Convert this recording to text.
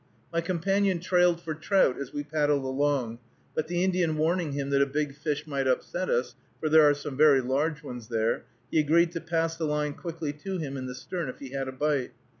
My companion trailed for trout as we paddled along, but the Indian warning him that a big fish might upset us, for there are some very large ones there, he agreed to pass the line quickly to him in the stern if he had a bite.